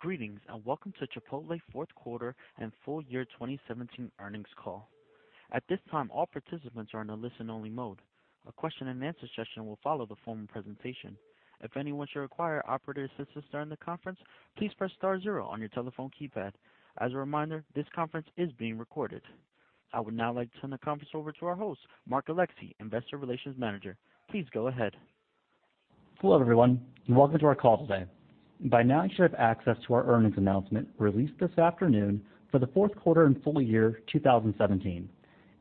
Greetings, welcome to Chipotle fourth quarter and full year 2017 earnings call. At this time, all participants are in a listen-only mode. A question and answer session will follow the formal presentation. If anyone should require operator assistance during the conference, please press star zero on your telephone keypad. As a reminder, this conference is being recorded. I would now like to turn the conference over to our host, Mark Alexee, Investor Relations Manager. Please go ahead. Hello, everyone, welcome to our call today. By now, you should have access to our earnings announcement released this afternoon for the fourth quarter and full year 2017.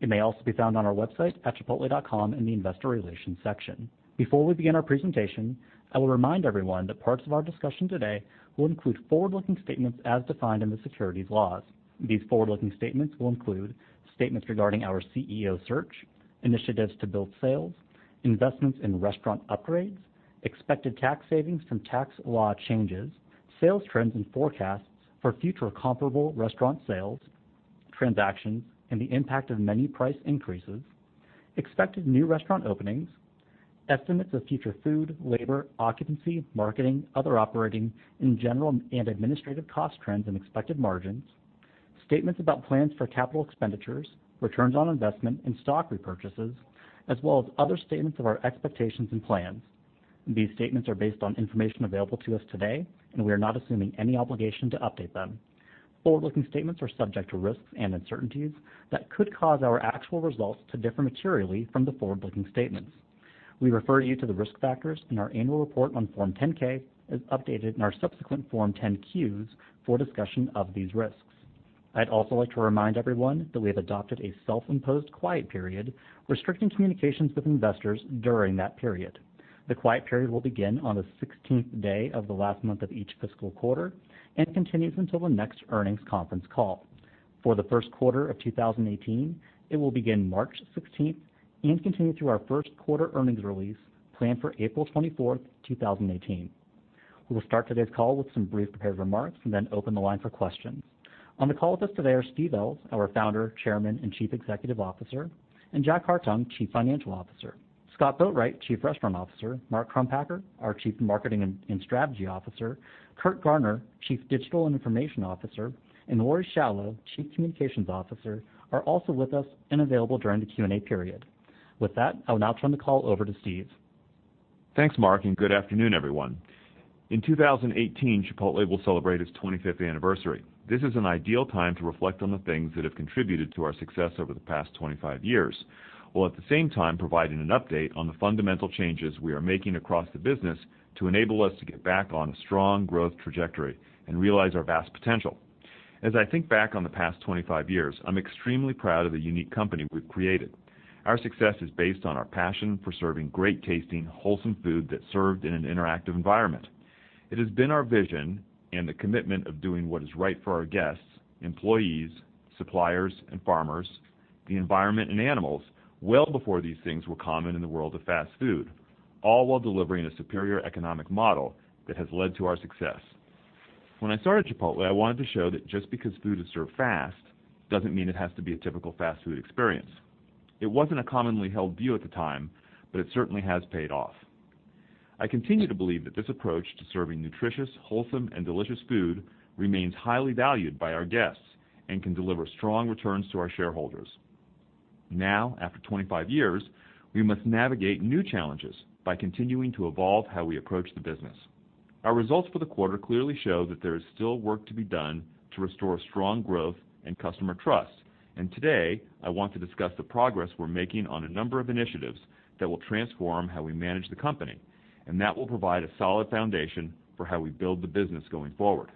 It may also be found on our website at chipotle.com in the investor relations section. Before we begin our presentation, I will remind everyone that parts of our discussion today will include forward-looking statements as defined in the securities laws. These forward-looking statements will include statements regarding our CEO search, initiatives to build sales, investments in restaurant upgrades, expected tax savings from tax law changes, sales trends and forecasts for future comparable restaurant sales, transactions, and the impact of menu price increases, expected new restaurant openings, estimates of future food, labor, occupancy, marketing, other operating, and general and administrative cost trends and expected margins, statements about plans for capital expenditures, returns on investment, and stock repurchases, as well as other statements of our expectations and plans. These statements are based on information available to us today, we are not assuming any obligation to update them. Forward-looking statements are subject to risks and uncertainties that could cause our actual results to differ materially from the forward-looking statements. We refer you to the risk factors in our annual report on Form 10-K, as updated in our subsequent Form 10-Qs, for a discussion of these risks. I'd also like to remind everyone that we have adopted a self-imposed quiet period restricting communications with investors during that period. The quiet period will begin on the 16th day of the last month of each fiscal quarter and continues until the next earnings conference call. For the first quarter of 2018, it will begin March 16th and continue through our first quarter earnings release planned for April 24th, 2018. We will start today's call with some brief prepared remarks then open the line for questions. On the call with us today are Steve Ells, our Founder, Chairman, and Chief Executive Officer, and Jack Hartung, Chief Financial Officer. Scott Boatwright, Chief Restaurant Officer, Mark Crumpacker, our Chief Marketing and Strategy Officer, Curt Garner, Chief Digital and Information Officer, and Laurie Schalow, Chief Communications Officer, are also with us and available during the Q&A period. With that, I will now turn the call over to Steve. Thanks, Mark. Good afternoon, everyone. In 2018, Chipotle will celebrate its 25th anniversary. This is an ideal time to reflect on the things that have contributed to our success over the past 25 years, while at the same time providing an update on the fundamental changes we are making across the business to enable us to get back on a strong growth trajectory and realize our vast potential. As I think back on the past 25 years, I'm extremely proud of the unique company we've created. Our success is based on our passion for serving great-tasting, wholesome food that's served in an interactive environment. It has been our vision and the commitment of doing what is right for our guests, employees, suppliers, and farmers, the environment, and animals well before these things were common in the world of fast food, all while delivering a superior economic model that has led to our success. When I started Chipotle, I wanted to show that just because food is served fast doesn't mean it has to be a typical fast food experience. It certainly has paid off. I continue to believe that this approach to serving nutritious, wholesome, and delicious food remains highly valued by our guests and can deliver strong returns to our shareholders. Now, after 25 years, we must navigate new challenges by continuing to evolve how we approach the business. Our results for the quarter clearly show that there is still work to be done to restore strong growth and customer trust. Today, I want to discuss the progress we're making on a number of initiatives that will transform how we manage the company and that will provide a solid foundation for how we build the business going forward.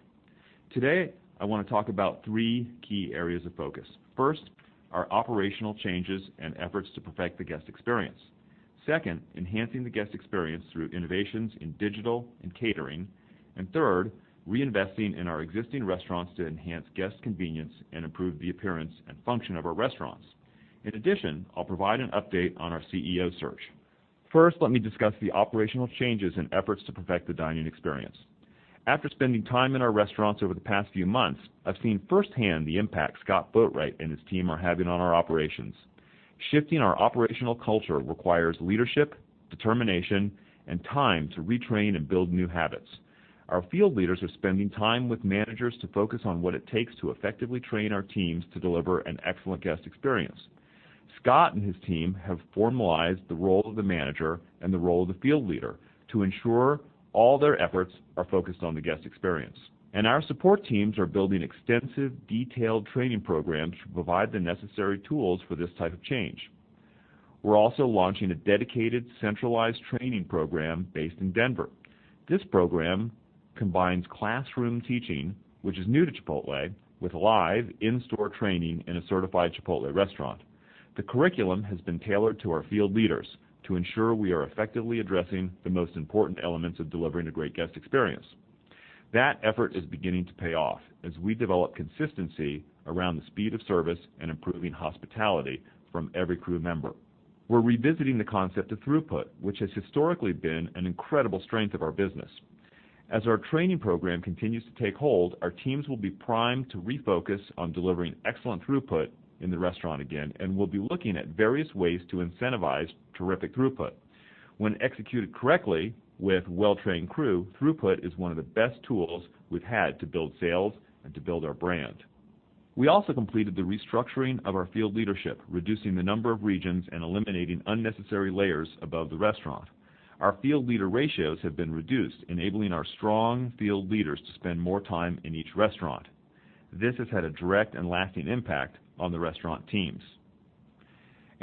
Today, I want to talk about three key areas of focus. First, our operational changes and efforts to perfect the guest experience. Second, enhancing the guest experience through innovations in digital and catering. Third, reinvesting in our existing restaurants to enhance guest convenience and improve the appearance and function of our restaurants. In addition, I'll provide an update on our CEO search. First, let me discuss the operational changes and efforts to perfect the dining experience. After spending time in our restaurants over the past few months, I've seen firsthand the impact Scott Boatwright and his team are having on our operations. Shifting our operational culture requires leadership, determination, and time to retrain and build new habits. Our field leaders are spending time with managers to focus on what it takes to effectively train our teams to deliver an excellent guest experience. Scott and his team have formalized the role of the manager and the role of the field leader to ensure all their efforts are focused on the guest experience. Our support teams are building extensive, detailed training programs to provide the necessary tools for this type of change. We're also launching a dedicated, centralized training program based in Denver. This program combines classroom teaching, which is new to Chipotle, with live in-store training in a certified Chipotle restaurant. The curriculum has been tailored to our field leaders to ensure we are effectively addressing the most important elements of delivering a great guest experience. That effort is beginning to pay off as we develop consistency around the speed of service and improving hospitality from every crew member. We're revisiting the concept of throughput, which has historically been an incredible strength of our business. As our training program continues to take hold, our teams will be primed to refocus on delivering excellent throughput in the restaurant again. We'll be looking at various ways to incentivize terrific throughput. When executed correctly with well-trained crew, throughput is one of the best tools we've had to build sales and to build our brand. We also completed the restructuring of our field leadership, reducing the number of regions and eliminating unnecessary layers above the restaurant. Our field leader ratios have been reduced, enabling our strong field leaders to spend more time in each restaurant. This has had a direct and lasting impact on the restaurant teams.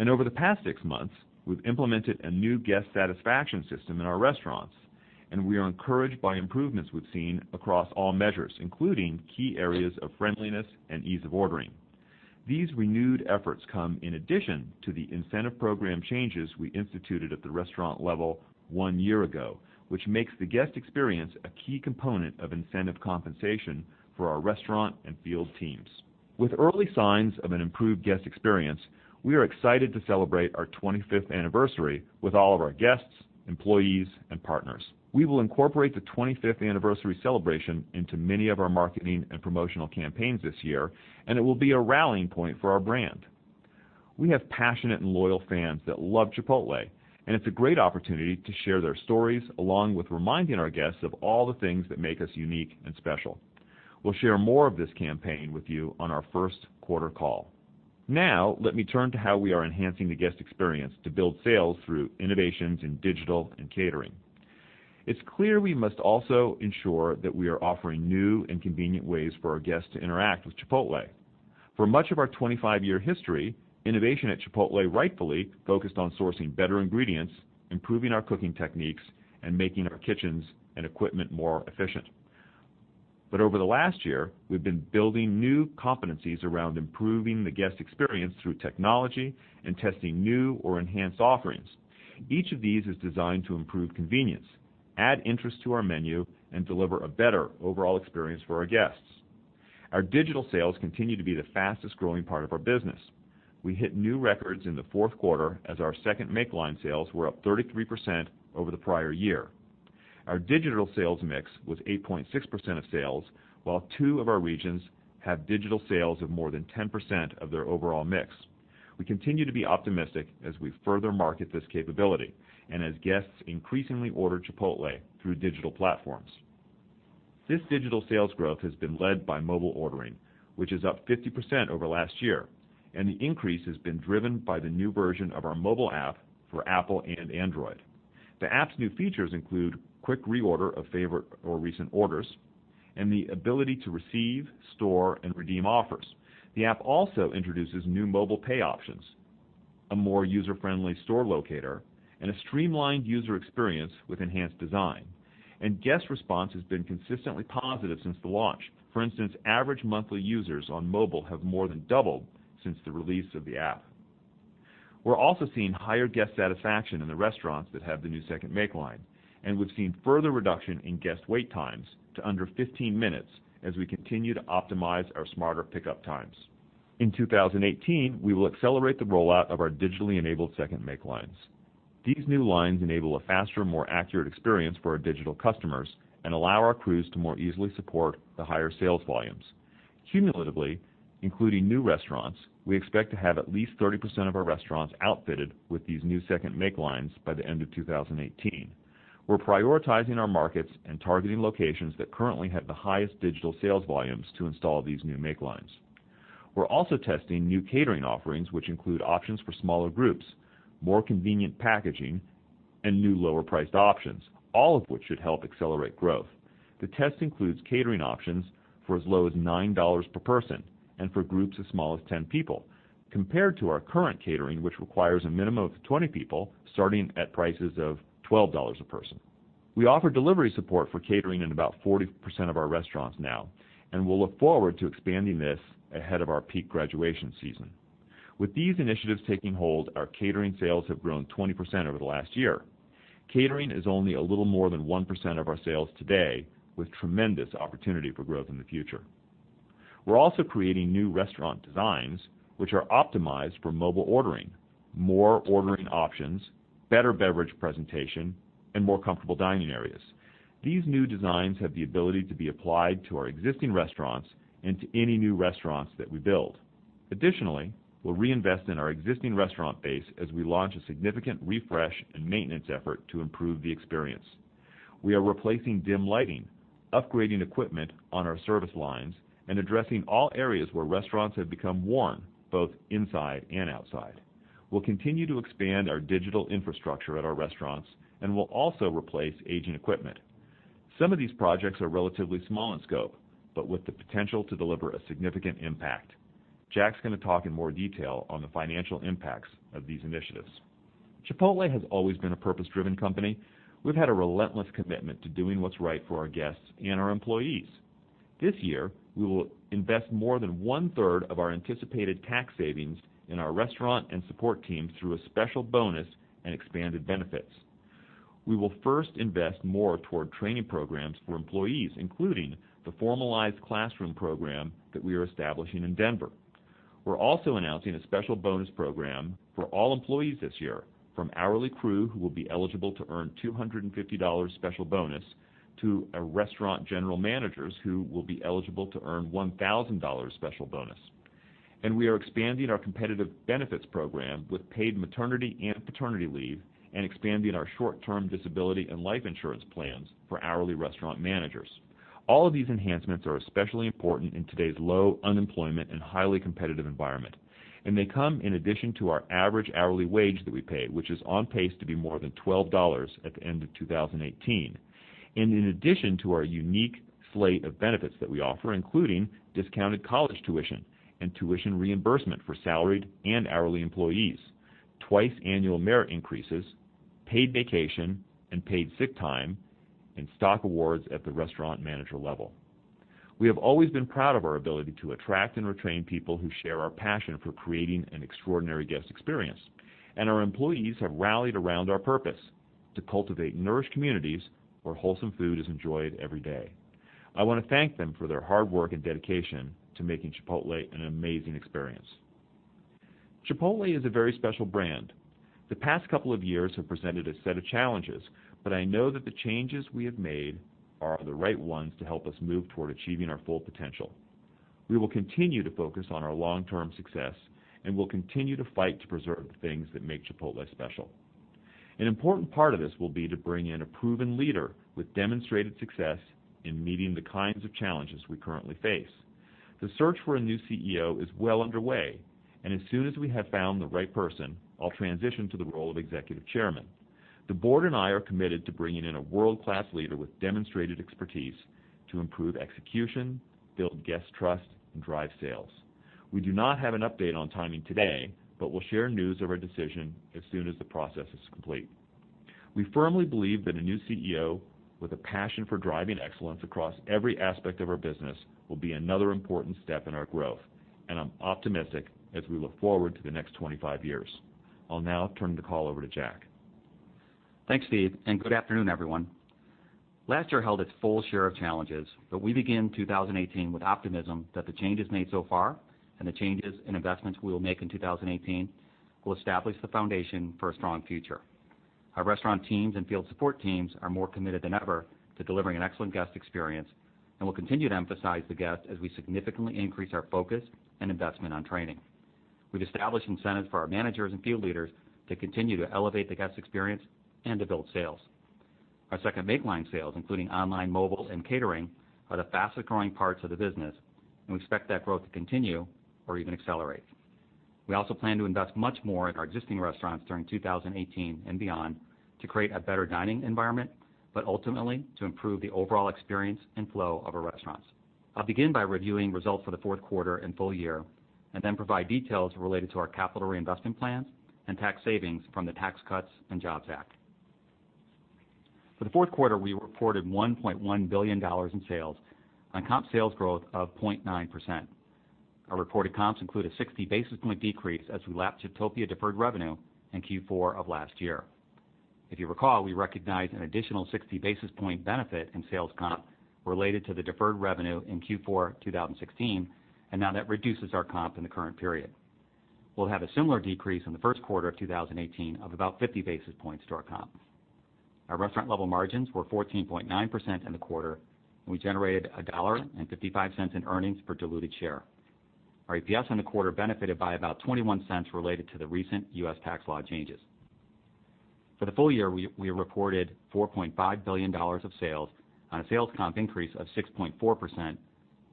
Over the past six months, we've implemented a new guest satisfaction system in our restaurants, and we are encouraged by improvements we've seen across all measures, including key areas of friendliness and ease of ordering. These renewed efforts come in addition to the incentive program changes we instituted at the restaurant level one year ago, which makes the guest experience a key component of incentive compensation for our restaurant and field teams. With early signs of an improved guest experience, we are excited to celebrate our 25th anniversary with all of our guests, employees, and partners. We will incorporate the 25th anniversary celebration into many of our marketing and promotional campaigns this year. It will be a rallying point for our brand. We have passionate and loyal fans that love Chipotle. It's a great opportunity to share their stories, along with reminding our guests of all the things that make us unique and special. We'll share more of this campaign with you on our first quarter call. Now, let me turn to how we are enhancing the guest experience to build sales through innovations in digital and catering. It's clear we must also ensure that we are offering new and convenient ways for our guests to interact with Chipotle. For much of our 25-year history, innovation at Chipotle rightfully focused on sourcing better ingredients, improving our cooking techniques, and making our kitchens and equipment more efficient. Over the last year, we've been building new competencies around improving the guest experience through technology and testing new or enhanced offerings. Each of these is designed to improve convenience, add interest to our menu, and deliver a better overall experience for our guests. Our digital sales continue to be the fastest-growing part of our business. We hit new records in the fourth quarter as our second make line sales were up 33% over the prior year. Our digital sales mix was 8.6% of sales, while two of our regions have digital sales of more than 10% of their overall mix. We continue to be optimistic as we further market this capability and as guests increasingly order Chipotle through digital platforms. This digital sales growth has been led by mobile ordering, which is up 50% over last year, and the increase has been driven by the new version of our mobile app for Apple and Android. The app's new features include quick reorder of favorite or recent orders and the ability to receive, store, and redeem offers. The app also introduces new mobile pay options, a more user-friendly store locator, and a streamlined user experience with enhanced design. Guest response has been consistently positive since the launch. For instance, average monthly users on mobile have more than doubled since the release of the app. We're also seeing higher guest satisfaction in the restaurants that have the new second make line, and we've seen further reduction in guest wait times to under 15 minutes as we continue to optimize our smarter pickup times. In 2018, we will accelerate the rollout of our digitally enabled second make lines. These new lines enable a faster, more accurate experience for our digital customers and allow our crews to more easily support the higher sales volumes. Cumulatively, including new restaurants, we expect to have at least 30% of our restaurants outfitted with these new second make lines by the end of 2018. We're prioritizing our markets and targeting locations that currently have the highest digital sales volumes to install these new make lines. We're also testing new catering offerings, which include options for smaller groups, more convenient packaging, and new lower-priced options, all of which should help accelerate growth. The test includes catering options for as low as $9 per person and for groups as small as 10 people. Compared to our current catering, which requires a minimum of 20 people, starting at prices of $12 a person. We offer delivery support for catering in about 40% of our restaurants now, and we'll look forward to expanding this ahead of our peak graduation season. With these initiatives taking hold, our catering sales have grown 20% over the last year. Catering is only a little more than 1% of our sales today, with tremendous opportunity for growth in the future. We're also creating new restaurant designs which are optimized for mobile ordering, more ordering options, better beverage presentation, and more comfortable dining areas. These new designs have the ability to be applied to our existing restaurants and to any new restaurants that we build. Additionally, we'll reinvest in our existing restaurant base as we launch a significant refresh and maintenance effort to improve the experience. We are replacing dim lighting, upgrading equipment on our service lines, and addressing all areas where restaurants have become worn, both inside and outside. We'll continue to expand our digital infrastructure at our restaurants, and we'll also replace aging equipment. Some of these projects are relatively small in scope, but with the potential to deliver a significant impact. Jack's going to talk in more detail on the financial impacts of these initiatives. Chipotle has always been a purpose-driven company. We've had a relentless commitment to doing what's right for our guests and our employees. This year, we will invest more than one-third of our anticipated tax savings in our restaurant and support teams through a special bonus and expanded benefits. We will first invest more toward training programs for employees, including the formalized classroom program that we are establishing in Denver. We're also announcing a special bonus program for all employees this year, from hourly crew who will be eligible to earn $250 special bonus, to our restaurant general managers, who will be eligible to earn $1,000 special bonus. We are expanding our competitive benefits program with paid maternity and paternity leave, and expanding our short-term disability and life insurance plans for hourly restaurant managers. All of these enhancements are especially important in today's low unemployment and highly competitive environment, and they come in addition to our average hourly wage that we pay, which is on pace to be more than $12 at the end of 2018. In addition to our unique slate of benefits that we offer, including discounted college tuition and tuition reimbursement for salaried and hourly employees, twice-annual merit increases, paid vacation and paid sick time, and stock awards at the restaurant manager level. We have always been proud of our ability to attract and retain people who share our passion for creating an extraordinary guest experience. Our employees have rallied around our purpose to cultivate nourished communities where wholesome food is enjoyed every day. I want to thank them for their hard work and dedication to making Chipotle an amazing experience. Chipotle is a very special brand. The past couple of years have presented a set of challenges, but I know that the changes we have made are the right ones to help us move toward achieving our full potential. We will continue to focus on our long-term success and will continue to fight to preserve the things that make Chipotle special. An important part of this will be to bring in a proven leader with demonstrated success in meeting the kinds of challenges we currently face. The search for a new CEO is well underway, and as soon as we have found the right person, I'll transition to the role of executive chairman. The board and I are committed to bringing in a world-class leader with demonstrated expertise to improve execution, build guest trust, and drive sales. We do not have an update on timing today, but we'll share news of our decision as soon as the process is complete. We firmly believe that a new CEO with a passion for driving excellence across every aspect of our business will be another important step in our growth, and I'm optimistic as we look forward to the next 25 years. I'll now turn the call over to Jack. Thanks, Steve. Good afternoon, everyone. Last year held its full share of challenges, but we begin 2018 with optimism that the changes made so far and the changes and investments we will make in 2018 will establish the foundation for a strong future. Our restaurant teams and field support teams are more committed than ever to delivering an excellent guest experience and will continue to emphasize the guest as we significantly increase our focus and investment on training. We've established incentives for our managers and field leaders to continue to elevate the guest experience and to build sales. Our second make-line sales, including online, mobile, and catering, are the fastest-growing parts of the business, and we expect that growth to continue or even accelerate. We also plan to invest much more in our existing restaurants during 2018 and beyond to create a better dining environment, but ultimately to improve the overall experience and flow of our restaurants. I'll begin by reviewing results for the fourth quarter and full year. Then provide details related to our capital reinvestment plans and tax savings from the Tax Cuts and Jobs Act. For the fourth quarter, we reported $1.1 billion in sales on comp sales growth of 0.9%. Our reported comps include a 60 basis point decrease as we lap Chiptopia deferred revenue in Q4 of last year. If you recall, we recognized an additional 60 basis point benefit in sales comp related to the deferred revenue in Q4 2016. Now that reduces our comp in the current period. We'll have a similar decrease in the first quarter of 2018 of about 50 basis points to our comps. Our restaurant level margins were 14.9% in the quarter. We generated $1.55 in earnings per diluted share. Our EPS in the quarter benefited by about $0.21 related to the recent U.S. tax law changes. For the full year, we reported $4.5 billion of sales on a sales comp increase of 6.4%,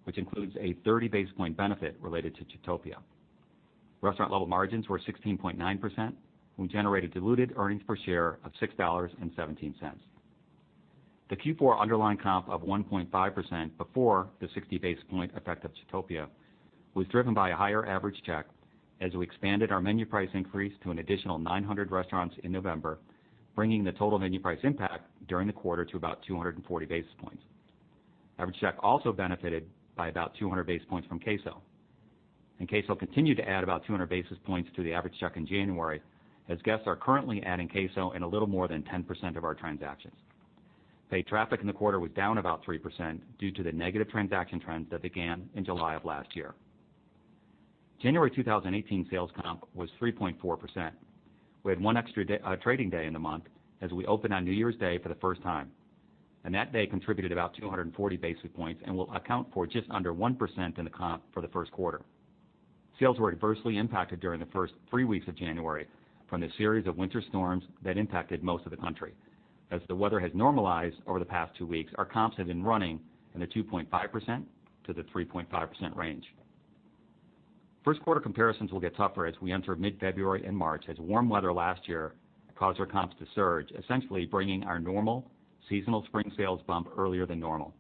which includes a 30 basis point benefit related to Chiptopia. Restaurant-level margins were 16.9%. We generated diluted earnings per share of $6.17. The Q4 underlying comp of 1.5% before the 60 basis point effect of Chiptopia was driven by a higher average check as we expanded our menu price increase to an additional 900 restaurants in November, bringing the total menu price impact during the quarter to about 240 basis points. Average check also benefited by about 200 basis points from queso. Queso continued to add about 200 basis points to the average check in January, as guests are currently adding queso in a little more than 10% of our transactions. Paid traffic in the quarter was down about 3% due to the negative transaction trends that began in July of last year. January 2018 sales comp was 3.4%. We had one extra trading day in the month as we opened on New Year's Day for the first time. That day contributed about 240 basis points and will account for just under 1% in the comp for the first quarter. Sales were adversely impacted during the first three weeks of January from the series of winter storms that impacted most of the country. As the weather has normalized over the past two weeks, our comps have been running in the 2.5%-3.5% range. First quarter comparisons will get tougher as we enter mid-February and March, as warm weather last year caused our comps to surge, essentially bringing our normal seasonal spring sales bump earlier than normal.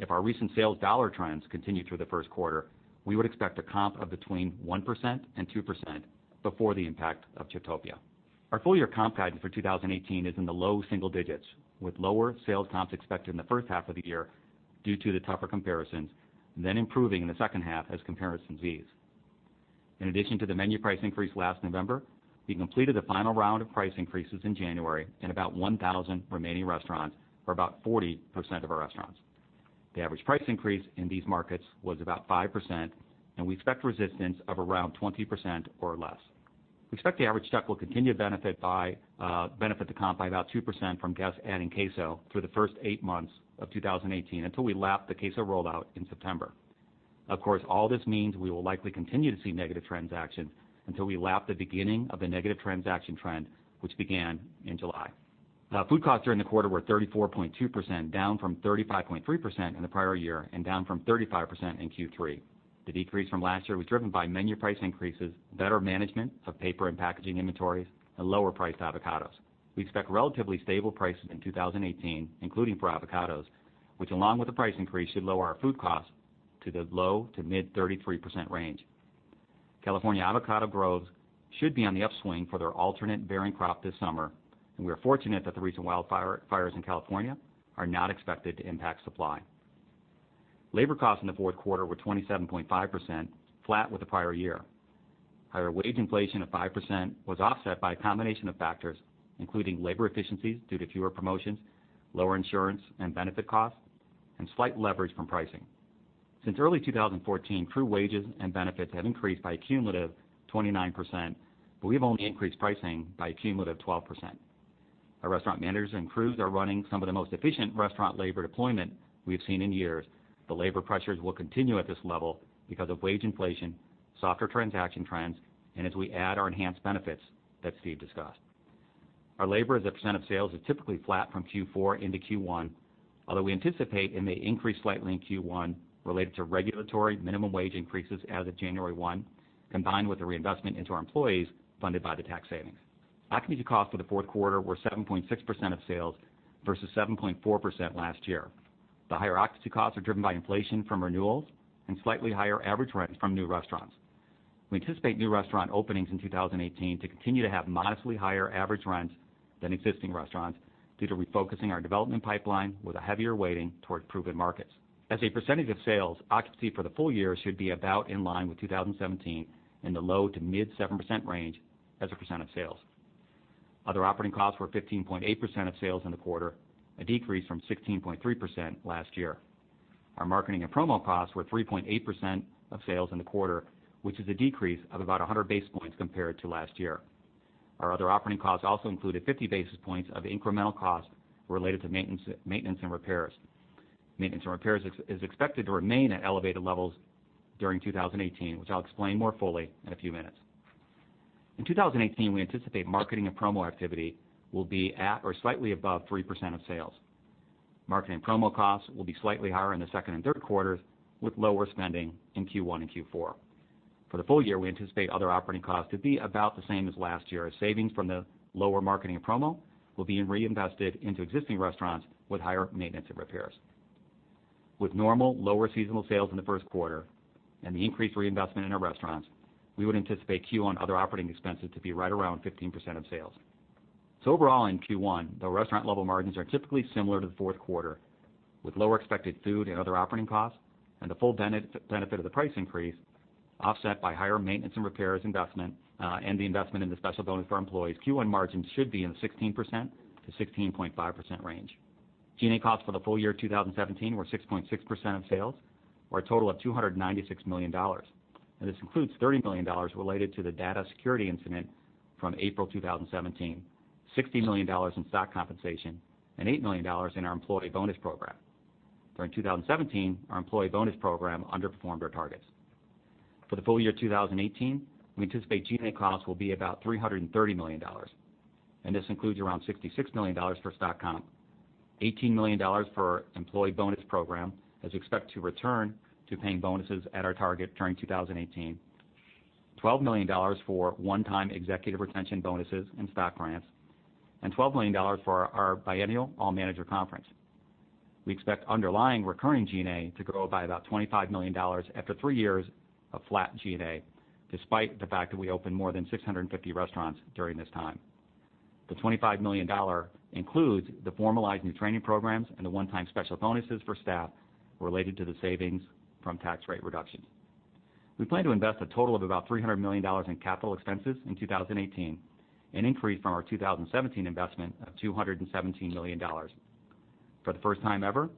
If our recent sales dollar trends continue through the first quarter, we would expect a comp of between 1% and 2% before the impact of Chiptopia. Our full year comp guidance for 2018 is in the low single digits, with lower sales comps expected in the first half of the year due to the tougher comparisons, and then improving in the second half as comparisons ease. In addition to the menu price increase last November, we completed the final round of price increases in January in about 1,000 remaining restaurants, or about 40% of our restaurants. The average price increase in these markets was about 5%, and we expect resistance of around 20% or less. We expect the average check will continue to benefit the comp by about 2% from guests adding queso through the first eight months of 2018, until we lap the queso rollout in September. Of course, all this means we will likely continue to see negative transactions until we lap the beginning of the negative transaction trend, which began in July. Food costs during the quarter were 34.2%, down from 35.3% in the prior year and down from 35% in Q3. The decrease from last year was driven by menu price increases, better management of paper and packaging inventories, and lower priced avocados. We expect relatively stable prices in 2018, including for avocados, which along with the price increase, should lower our food costs to the low to mid 33% range. California avocado groves should be on the upswing for their alternate bearing crop this summer, and we are fortunate that the recent wildfires in California are not expected to impact supply. Labor costs in the fourth quarter were 27.5%, flat with the prior year. Higher wage inflation of 5% was offset by a combination of factors, including labor efficiencies due to fewer promotions, lower insurance and benefit costs, and slight leverage from pricing. Since early 2014, crew wages and benefits have increased by a cumulative 29%, but we've only increased pricing by a cumulative 12%. Our restaurant managers and crews are running some of the most efficient restaurant labor deployment we've seen in years, but labor pressures will continue at this level because of wage inflation, softer transaction trends, and as we add our enhanced benefits that Steve discussed. Our labor as a percent of sales is typically flat from Q4 into Q1, although we anticipate it may increase slightly in Q1 related to regulatory minimum wage increases as of January 1, combined with the reinvestment into our employees funded by the tax savings. Occupancy costs for the fourth quarter were 7.6% of sales versus 7.4% last year. The higher occupancy costs are driven by inflation from renewals and slightly higher average rents from new restaurants. We anticipate new restaurant openings in 2018 to continue to have modestly higher average rents than existing restaurants due to refocusing our development pipeline with a heavier weighting towards proven markets. As a percentage of sales, occupancy for the full year should be about in line with 2017, in the low to mid 7% range as a percent of sales. Other operating costs were 15.8% of sales in the quarter, a decrease from 16.3% last year. Our marketing and promo costs were 3.8% of sales in the quarter, which is a decrease of about 100 basis points compared to last year. Our other operating costs also included 50 basis points of incremental cost related to maintenance and repairs. Maintenance and repairs is expected to remain at elevated levels during 2018, which I'll explain more fully in a few minutes. In 2018, we anticipate marketing and promo activity will be at or slightly above 3% of sales. Marketing promo costs will be slightly higher in the second and third quarters, with lower spending in Q1 and Q4. For the full year, we anticipate other operating costs to be about the same as last year as savings from the lower marketing and promo will be reinvested into existing restaurants with higher maintenance and repairs. With normal lower seasonal sales in the first quarter and the increased reinvestment in our restaurants, we would anticipate Q1 other operating expenses to be right around 15% of sales. Overall in Q1, the restaurant level margins are typically similar to the fourth quarter, with lower expected food and other operating costs and the full benefit of the price increase offset by higher maintenance and repairs investment, and the investment in the special bonus for our employees. Q1 margins should be in the 16%-16.5% range. G&A costs for the full year 2017 were 6.6% of sales, or a total of $296 million. This includes $30 million related to the data security incident from April 2017, $60 million in stock compensation, and $8 million in our employee bonus program. During 2017, our employee bonus program underperformed our targets. For the full year 2018, we anticipate G&A costs will be about $330 million. This includes around $66 million for stock comp, $18 million for our employee bonus program, as we expect to return to paying bonuses at our target during 2018, $12 million for one-time executive retention bonuses and stock grants, and $12 million for our biennial all-manager conference. We expect underlying recurring G&A to grow by about $25 million after three years of flat G&A, despite the fact that we opened more than 650 restaurants during this time. The $25 million includes the formalized new training programs and the one-time special bonuses for staff related to the savings from tax rate reductions. We plan to invest a total of about $300 million in capital expenses in 2018, an increase from our 2017 investment of $217 million. For the first time ever,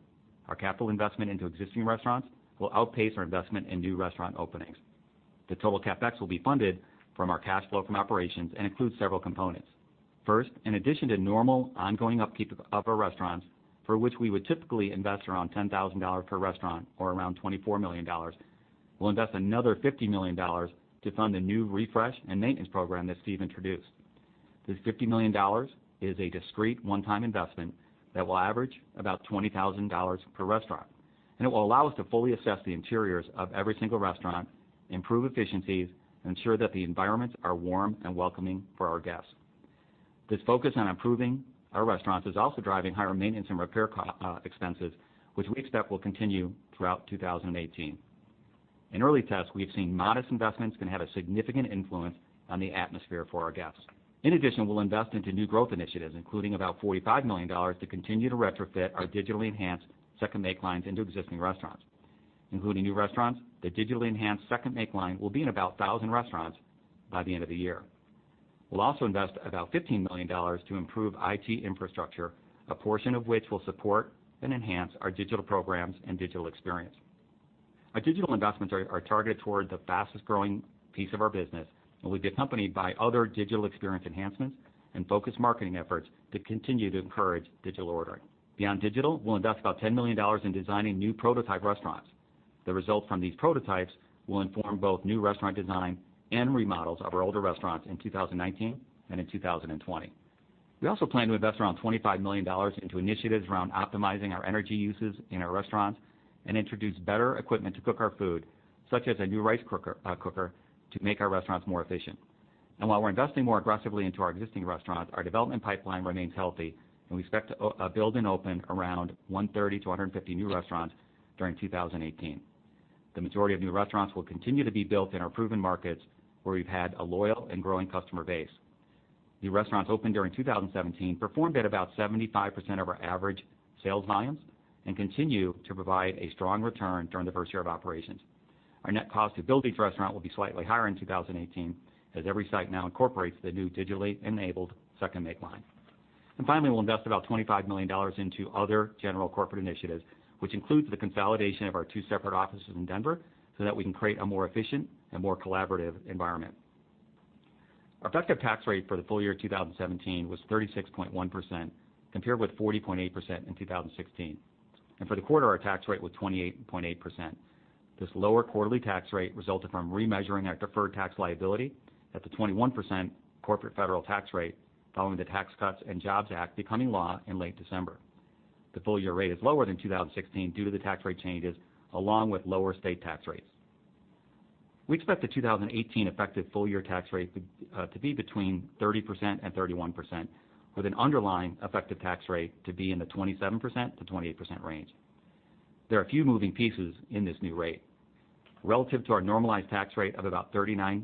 our capital investment into existing restaurants will outpace our investment in new restaurant openings. The total CapEx will be funded from our cash flow from operations and includes several components. First, in addition to normal ongoing upkeep of our restaurants, for which we would typically invest around $10,000 per restaurant or around $24 million, we'll invest another $50 million to fund the new refresh and maintenance program that Steve introduced. This $50 million is a discrete one-time investment that will average about $20,000 per restaurant, and it will allow us to fully assess the interiors of every single restaurant, improve efficiencies, and ensure that the environments are warm and welcoming for our guests. This focus on improving our restaurants is also driving higher maintenance and repair expenses, which we expect will continue throughout 2018. In early tests, we've seen modest investments can have a significant influence on the atmosphere for our guests. In addition, we'll invest into new growth initiatives, including about $45 million to continue to retrofit our digitally enhanced second make lines into existing restaurants. Including new restaurants, the digitally enhanced second make line will be in about 1,000 restaurants by the end of the year. We'll also invest about $15 million to improve IT infrastructure, a portion of which will support and enhance our digital programs and digital experience. Our digital investments are targeted toward the fastest-growing piece of our business, and will be accompanied by other digital experience enhancements and focused marketing efforts to continue to encourage digital ordering. Beyond digital, we'll invest about $10 million in designing new prototype restaurants. The results from these prototypes will inform both new restaurant design and remodels of our older restaurants in 2019 and in 2020. We also plan to invest around $25 million into initiatives around optimizing our energy uses in our restaurants and introduce better equipment to cook our food, such as a new rice cooker to make our restaurants more efficient. While we're investing more aggressively into our existing restaurants, our development pipeline remains healthy, and we expect to build and open around 130-150 new restaurants during 2018. The majority of new restaurants will continue to be built in our proven markets where we've had a loyal and growing customer base. New restaurants opened during 2017 performed at about 75% of our average sales volumes and continue to provide a strong return during the first year of operations. Our net cost to build each restaurant will be slightly higher in 2018, as every site now incorporates the new digitally enabled second make line. Finally, we'll invest about $25 million into other general corporate initiatives, which includes the consolidation of our two separate offices in Denver so that we can create a more efficient and more collaborative environment. Our effective tax rate for the full year 2017 was 36.1%, compared with 40.8% in 2016. For the quarter, our tax rate was 28.8%. This lower quarterly tax rate resulted from remeasuring our deferred tax liability at the 21% corporate federal tax rate following the Tax Cuts and Jobs Act becoming law in late December. The full-year rate is lower than 2016 due to the tax rate changes, along with lower state tax rates. We expect the 2018 effective full-year tax rate to be between 30% and 31%, with an underlying effective tax rate to be in the 27% to 28% range. There are a few moving pieces in this new rate. Relative to our normalized tax rate of about 39%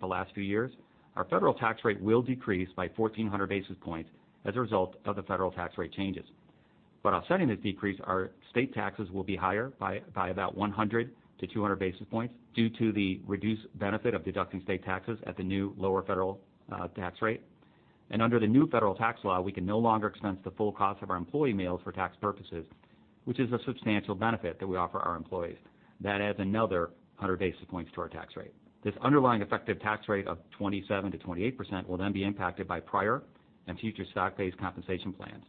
the last few years, our federal tax rate will decrease by 1,400 basis points as a result of the federal tax rate changes. Offsetting this decrease, our state taxes will be higher by about 100 to 200 basis points due to the reduced benefit of deducting state taxes at the new lower federal tax rate. Under the new federal tax law, we can no longer expense the full cost of our employee meals for tax purposes, which is a substantial benefit that we offer our employees. That adds another 100 basis points to our tax rate. This underlying effective tax rate of 27% to 28% will then be impacted by prior and future stock-based compensation plans.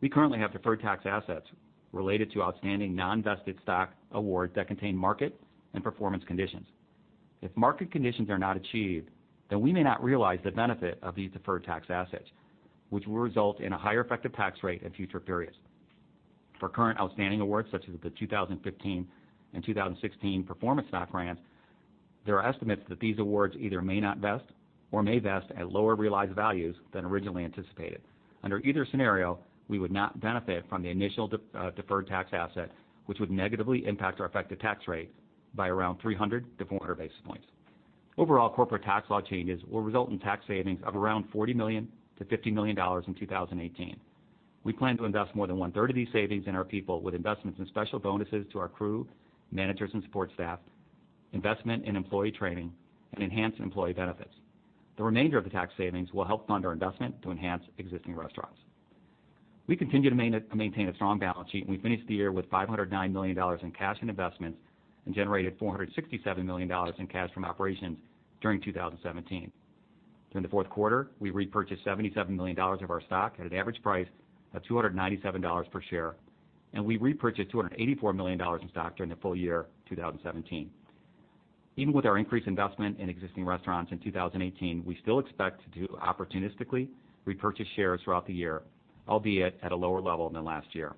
We currently have deferred tax assets related to outstanding non-vested stock awards that contain market and performance conditions. If market conditions are not achieved, then we may not realize the benefit of these deferred tax assets, which will result in a higher effective tax rate in future periods. For current outstanding awards, such as the 2015 and 2016 performance stock grants, there are estimates that these awards either may not vest or may vest at lower realized values than originally anticipated. Under either scenario, we would not benefit from the initial deferred tax asset, which would negatively impact our effective tax rate by around 300 to 400 basis points. Overall, corporate tax law changes will result in tax savings of around $40 million to $50 million in 2018. We plan to invest more than one-third of these savings in our people with investments in special bonuses to our crew, managers, and support staff, investment in employee training, and enhanced employee benefits. The remainder of the tax savings will help fund our investment to enhance existing restaurants. We continue to maintain a strong balance sheet, and we finished the year with $509 million in cash and investments and generated $467 million in cash from operations during 2017. During the fourth quarter, we repurchased $77 million of our stock at an average price of $297 per share, and we repurchased $284 million in stock during the full year 2017. Even with our increased investment in existing restaurants in 2018, we still expect to opportunistically repurchase shares throughout the year, albeit at a lower level than last year.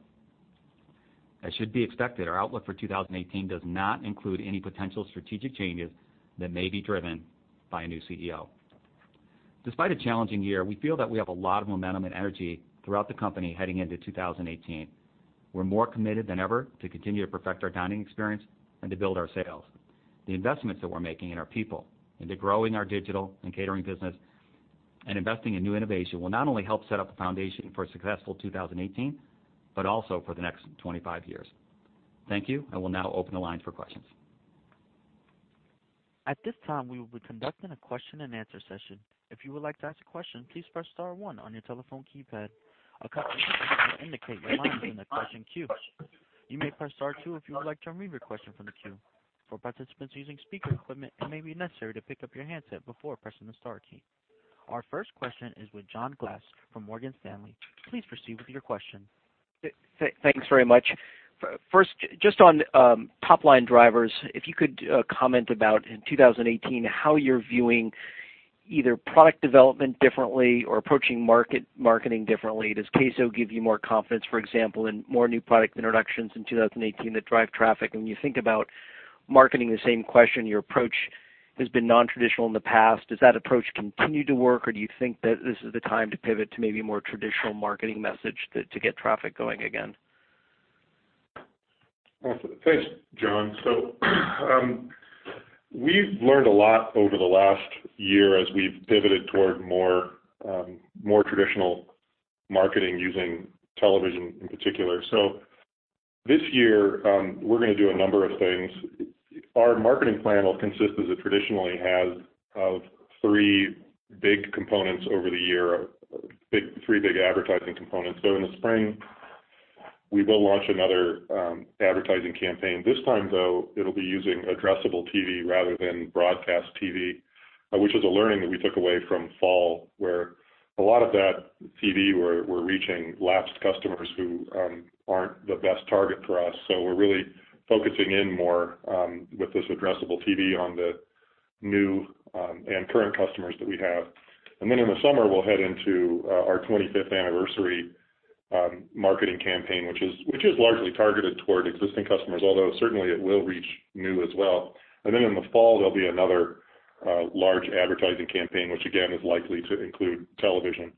As should be expected, our outlook for 2018 does not include any potential strategic changes that may be driven by a new CEO. Despite a challenging year, we feel that we have a lot of momentum and energy throughout the company heading into 2018. We're more committed than ever to continue to perfect our dining experience and to build our sales. The investments that we're making in our people, into growing our digital and catering business, and investing in new innovation will not only help set up the foundation for a successful 2018, but also for the next 25 years. Thank you. I will now open the lines for questions. At this time, we will be conducting a question-and-answer session. If you would like to ask a question, please press *1 on your telephone keypad. A couple of seconds will indicate your line is in the question queue. You may press *2 if you would like to remove your question from the queue. For participants using speaker equipment, it may be necessary to pick up your handset before pressing the star key. Our first question is with John Glass from Morgan Stanley. Please proceed with your question. Thanks very much. First, just on top-line drivers, if you could comment about, in 2018, how you're viewing either product development differently or approaching marketing differently. Does queso give you more confidence, for example, in more new product introductions in 2018 that drive traffic? When you think about marketing, the same question, your approach has been non-traditional in the past. Does that approach continue to work, or do you think that this is the time to pivot to maybe a more traditional marketing message to get traffic going again? Thanks, John. We've learned a lot over the last year as we've pivoted toward more traditional marketing using television in particular. This year, we're going to do a number of things. Our marketing plan will consist, as it traditionally has, of three big components over the year, three big advertising components. In the spring, we will launch another advertising campaign. This time though, it'll be using addressable TV rather than broadcast TV, which is a learning that we took away from fall, where a lot of that TV, we're reaching lapsed customers who aren't the best target for us. We're really focusing in more, with this addressable TV, on the new and current customers that we have. In the summer, we'll head into our 25th anniversary marketing campaign, which is largely targeted toward existing customers, although certainly it will reach new as well. In the fall, there'll be another large advertising campaign, which again, is likely to include television.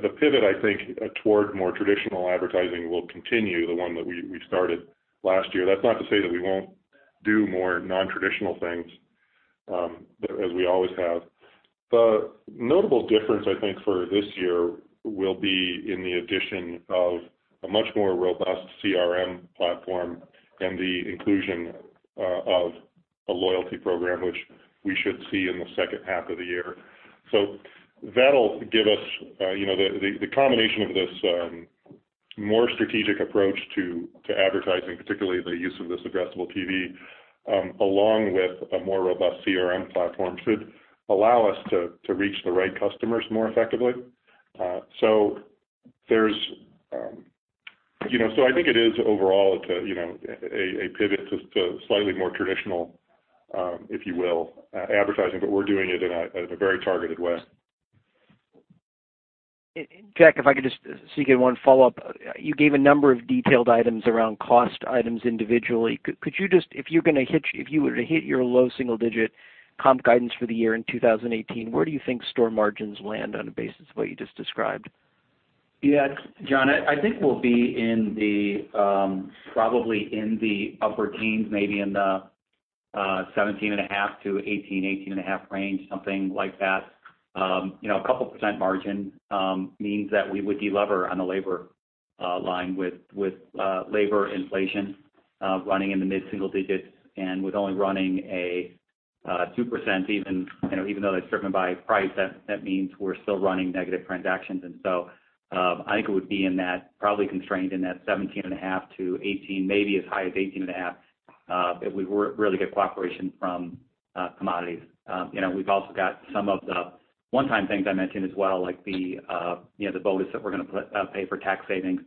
The pivot, I think, toward more traditional advertising will continue, the one that we started last year. That's not to say that we won't do more non-traditional things, as we always have. The notable difference, I think, for this year will be in the addition of a much more robust CRM platform and the inclusion of a loyalty program, which we should see in the second half of the year. That'll give us the combination of this more strategic approach to advertising, particularly the use of this addressable TV, along with a more robust CRM platform should allow us to reach the right customers more effectively. I think it is overall, a pivot to slightly more traditional, if you will, advertising, but we're doing it in a very targeted way. Jack, if I could just sneak in one follow-up. You gave a number of detailed items around cost items individually. Could you just, if you were to hit your low single-digit comp guidance for the year in 2018, where do you think store margins land on a basis of what you just described? Yes, John. I think we'll be probably in the upper teens, maybe in the 17.5% to 18%, 18.5% range, something like that. A couple % margin means that we would de-lever on the labor line with labor inflation running in the mid-single-digits, with only running a 2% even though that's driven by price, that means we're still running negative transactions. I think it would be probably constrained in that 17.5% to 18%, maybe as high as 18.5%, if we really get cooperation from commodities. We've also got some of the one-time things I mentioned as well, like the bonus that we're going to pay for tax savings.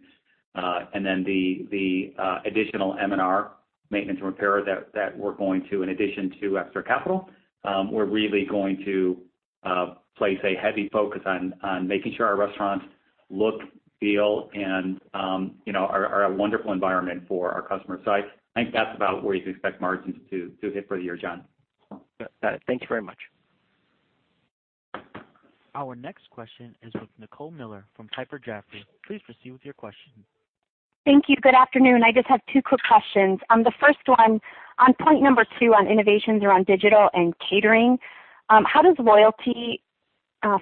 The additional M&R, maintenance and repair, that we're going to, in addition to extra capital, we're really going to place a heavy focus on making sure our restaurants look, feel, and are a wonderful environment for our customers. I think that's about where you could expect margins to hit for the year, John. Got it. Thank you very much. Our next question is with Nicole Miller from Piper Jaffray. Please proceed with your question. Thank you. Good afternoon. I just have two quick questions. The first one, on point number two on innovations around digital and catering, how does loyalty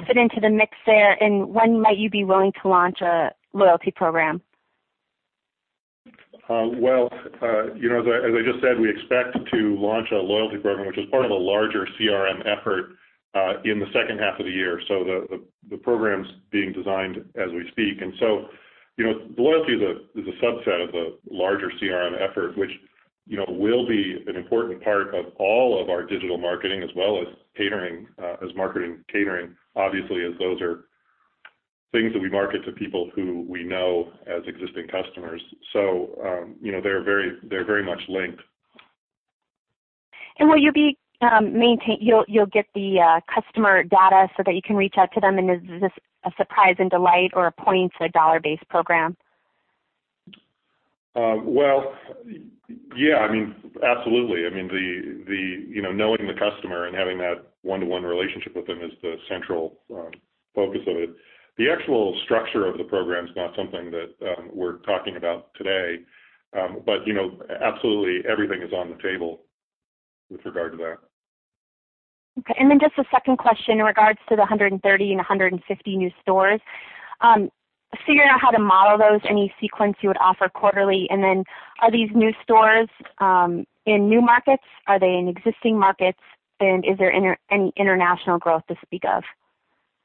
fit into the mix there, and when might you be willing to launch a loyalty program? Well, as I just said, we expect to launch a loyalty program, which is part of a larger CRM effort, in the second half of the year. The program's being designed as we speak. Loyalty is a subset of the larger CRM effort, which will be an important part of all of our digital marketing as well as marketing catering, obviously, as those are things that we market to people who we know as existing customers. They're very much linked. Will you get the customer data so that you can reach out to them, and is this a surprise and delight or a points or dollar-based program? Well, yeah. Absolutely. Knowing the customer and having that one-to-one relationship with them is the central focus of it. The actual structure of the program is not something that we're talking about today. Absolutely everything is on the table with regard to that. Okay. Just a second question in regards to the 130 and 150 new stores. Figuring out how to model those, any sequence you would offer quarterly, are these new stores in new markets, are they in existing markets, and is there any international growth to speak of?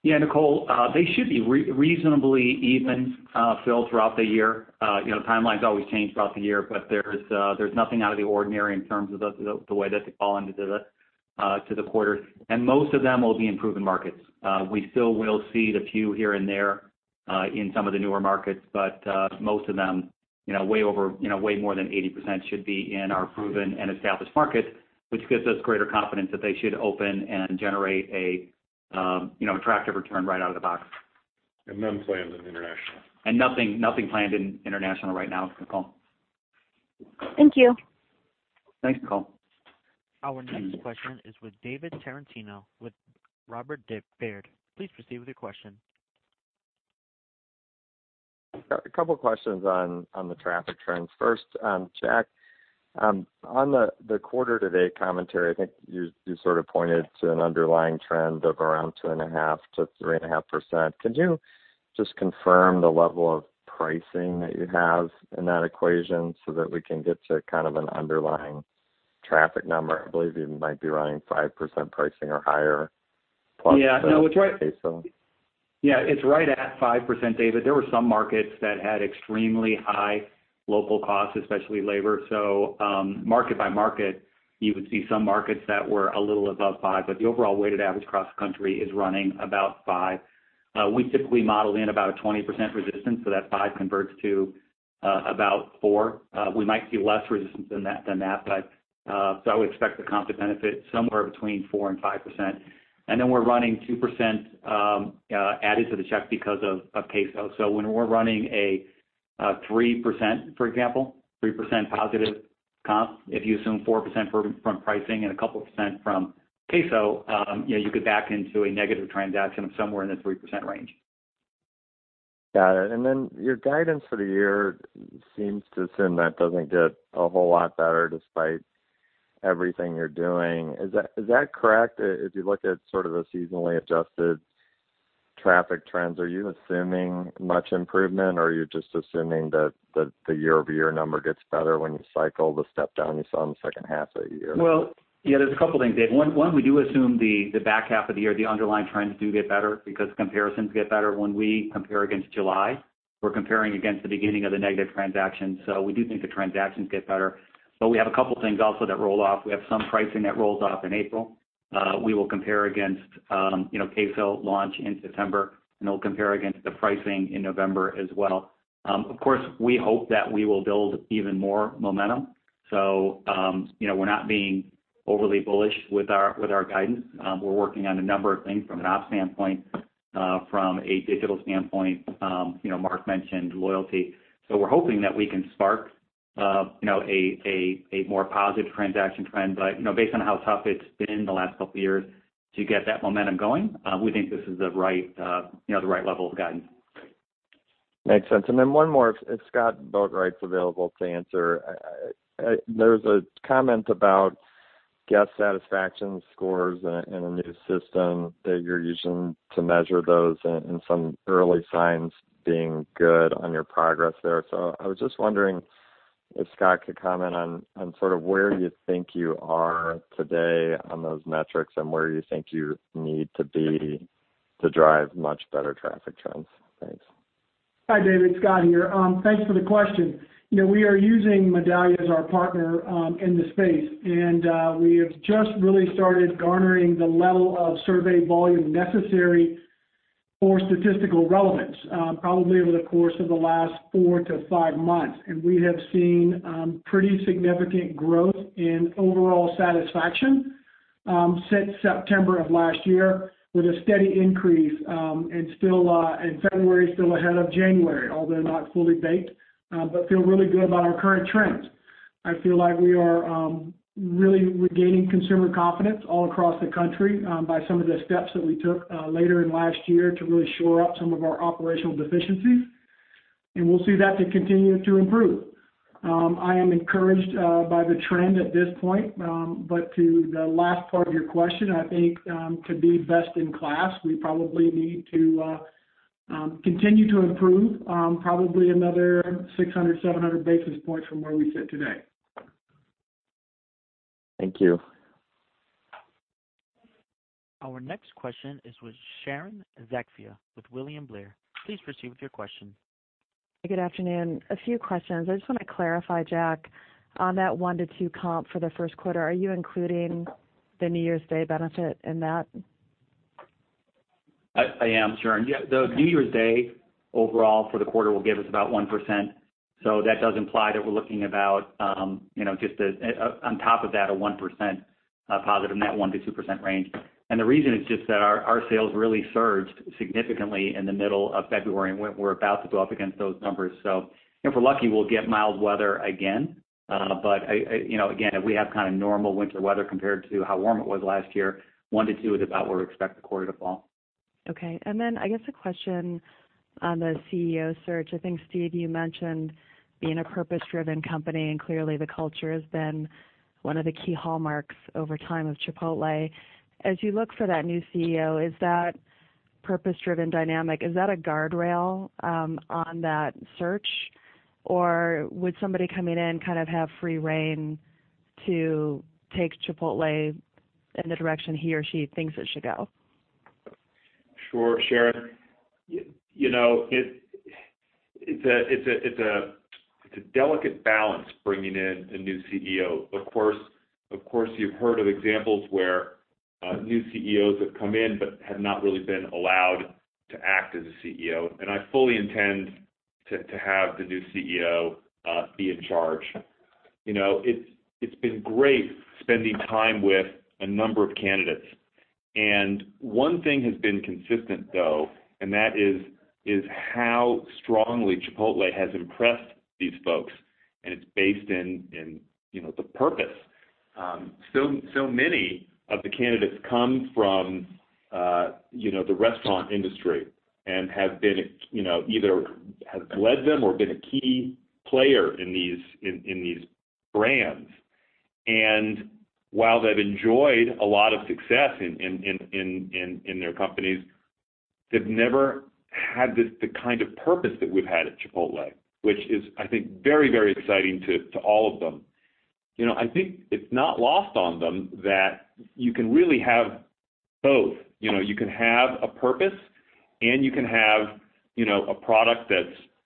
Yeah, Nicole. They should be reasonably even filled throughout the year. Timelines always change throughout the year, but there's nothing out of the ordinary in terms of the way that they fall into the quarters. Most of them will be in proven markets. We still will see the few here and there in some of the newer markets, but most of them, way more than 80% should be in our proven and established markets, which gives us greater confidence that they should open and generate an attractive return right out of the box. None planned in international. Nothing planned in international right now, Nicole. Thank you. Thanks, Nicole. Our next question is with David Tarantino with Robert W. Baird & Co. Please proceed with your question. A couple questions on the traffic trends. First, Jack. On the quarter-to-date commentary, I think you sort of pointed to an underlying trend of around 2.5%-3.5%. Could you just confirm the level of pricing that you have in that equation so that we can get to kind of an underlying traffic number? I believe you might be running 5% pricing or higher. Yeah, no, it's right. queso. Yeah, it's right at 5%, David. There were some markets that had extremely high local costs, especially labor. Market by market, you would see some markets that were a little above five, but the overall weighted average across the country is running about five. We typically model in about a 20% resistance, so that five converts to about four. We might see less resistance than that, but, so I would expect the comp to benefit somewhere between 4%-5%. We're running 2% added to the check because of queso. When we're running a 3%, for example, 3% positive comp, if you assume 4% from pricing and a couple percent from queso, you get back into a negative transaction of somewhere in the 3% range. Got it. Your guidance for the year seems to assume that doesn't get a whole lot better despite everything you're doing. Is that correct? If you looked at sort of a seasonally adjusted traffic trends, are you assuming much improvement, or are you just assuming that the year-over-year number gets better when you cycle the step down you saw in the second half of the year? Well, yeah, there's a couple things, David. One, we do assume the back half of the year, the underlying trends do get better because comparisons get better when we compare against July. We're comparing against the beginning of the negative transaction. We do think the transactions get better. We have a couple things also that roll off. We have some pricing that rolls off in April. We will compare against queso launch in September, and we'll compare against the pricing in November as well. Of course, we hope that we will build even more momentum. We're not being overly bullish with our guidance. We're working on a number of things from an op standpoint, from a digital standpoint. Mark mentioned loyalty. We're hoping that we can spark a more positive transaction trend. Based on how tough it's been the last couple of years to get that momentum going, we think this is the right level of guidance. Makes sense. One more. If Scott Boatwright's available to answer. There was a comment about guest satisfaction scores and a new system that you're using to measure those and some early signs being good on your progress there. I was just wondering if Scott could comment on sort of where you think you are today on those metrics and where you think you need to be to drive much better traffic trends. Thanks. Hi, David. Scott here. Thanks for the question. We are using Medallia as our partner in the space, and we have just really started garnering the level of survey volume necessary for statistical relevance, probably over the course of the last four to five months. We have seen pretty significant growth in overall satisfaction since September of last year, with a steady increase, and February is still ahead of January, although not fully baked, but feel really good about our current trends. I feel like we are really regaining consumer confidence all across the country by some of the steps that we took later in last year to really shore up some of our operational deficiencies. We'll see that to continue to improve. I am encouraged by the trend at this point. To the last part of your question, I think to be best in class, we probably need to continue to improve, probably another 600, 700 basis points from where we sit today. Thank you. Our next question is with Sharon Zackfia with William Blair. Please proceed with your question. Good afternoon. A few questions. I just want to clarify, Jack, on that 1%-2% comp for the first quarter, are you including the New Year's Day benefit in that? I am, Sharon. The New Year's Day overall for the quarter will give us about 1%. That does imply that we're looking about, just on top of that, a 1% positive net, 1%-2% range. The reason is just that our sales really surged significantly in the middle of February, and we're about to go up against those numbers. If we're lucky, we'll get mild weather again. Again, if we have kind of normal winter weather compared to how warm it was last year, 1%-2% is about where we expect the quarter to fall. Okay. I guess a question on the CEO search. I think, Steve, you mentioned being a purpose-driven company, and clearly the culture has been one of the key hallmarks over time of Chipotle. As you look for that new CEO, is that purpose-driven dynamic, is that a guardrail on that search? Would somebody coming in kind of have free rein to take Chipotle in the direction he or she thinks it should go? Sure, Sharon. It's a delicate balance bringing in a new CEO. Of course, you've heard of examples where new CEOs have come in but have not really been allowed to act as a CEO. I fully intend to have the new CEO be in charge. It's been great spending time with a number of candidates. One thing has been consistent, though, and that is how strongly Chipotle has impressed these folks, and it's based in the purpose. Many of the candidates come from the restaurant industry and have either led them or been a key player in these brands. While they've enjoyed a lot of success in their companies, they've never had the kind of purpose that we've had at Chipotle, which is, I think, very exciting to all of them. I think it's not lost on them that you can really have both. You can have a purpose and you can have a product